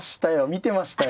見てましたよ。